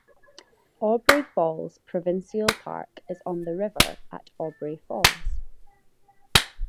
Aubrey Falls Provincial Park is on the river at Aubrey Falls.